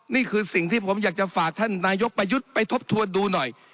นี่คือสิ่งที่ผมอยากจะฝากท่านนายกประยุทธ์ไปทบทวนดูหน่อย